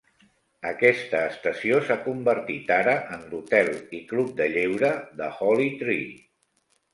Aquesta estació s'ha convertit ara en l'hotel i club de lleure The Holly Tree.